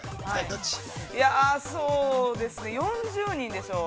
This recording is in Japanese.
◆そうですね、４０人でしょう。